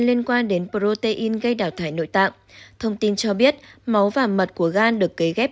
liên quan đến protein gây đảo thải nội tạng thông tin cho biết máu và mật của gan được cấy ghép